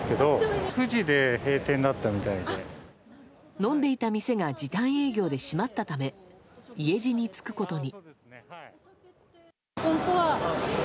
飲んでいた店が時短営業で閉まったため、家路につくことに。